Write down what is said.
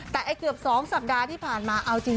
แต่เกือบ๒สัปดาห์ที่ผ่านมาเอาจริง